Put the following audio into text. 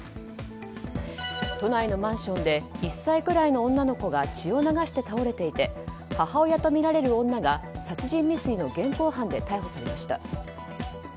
都内のマンションで１歳くらいの女の子が血を流して倒れていて母親とみられる女が殺人未遂の現行犯で逮捕されました。